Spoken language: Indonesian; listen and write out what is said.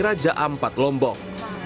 raja ampat lombok